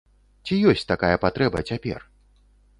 Ці ёсць такая патрэба цяпер?